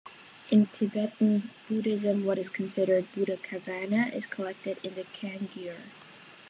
In Tibetan Buddhism, what is considered buddhavacana is collected in the Kangyur.